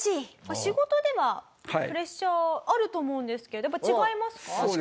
仕事ではプレッシャーあると思うんですけどやっぱ違いますか？